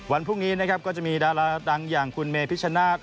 วันพรุ่งนี้นะครับก็จะมีดาราดังอย่างคุณเมพิชนาค